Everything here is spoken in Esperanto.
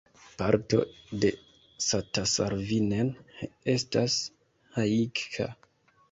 Parto de Satasarvinen estas Haikka.